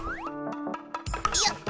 よっ。